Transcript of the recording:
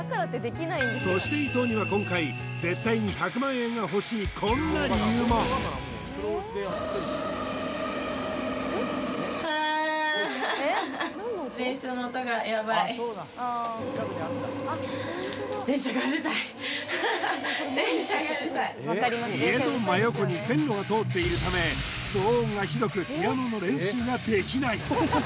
そして伊藤には今回絶対に１００万円が欲しいこんな理由もはあっはっはっはははっ電車がうるさい家の真横に線路が通っているため騒音がひどくピアノの練習ができない